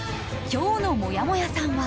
今日のもやもやさんは。